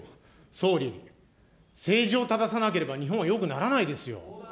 総理、政治を正さなければ日本はよくならないですよ。